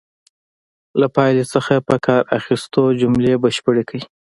له پایلې څخه په کار اخیستلو جملې بشپړې کړئ.